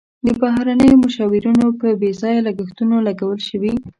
د بهرنیو مشاورینو په بې ځایه لګښتونو لګول شوي.